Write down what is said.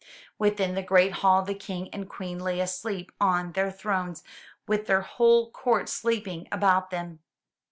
Within the great hall, the King and Queen lay asleep on their thrones with their whole court sleeping about them.